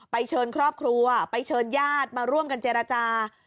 เชิญครอบครัวไปเชิญญาติมาร่วมกันเจรจา